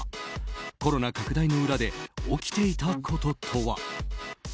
コロナ拡大の裏で起きていたこととは？